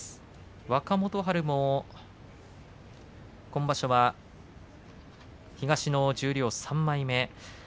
若元春も今場所は東の十両３枚目。